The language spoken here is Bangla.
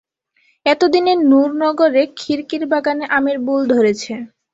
এতদিনে নুরনগরে খিড়কির বাগানে আমের বোল ধরেছে।